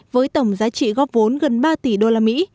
với tổng giá trị góp vốn gần ba tỷ đô la mỹ